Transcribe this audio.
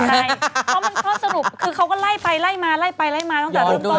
เพราะมันข้อสรุปคือเขาก็ไล่ไปไล่มาไล่ไปไล่มาตั้งแต่เริ่มต้น